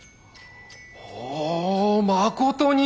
おぉまことに。